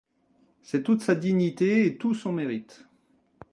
C’est toute sa dignité et tout son mérite.